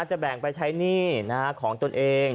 จะแบ่งไปใช้หนี้ของตนเอง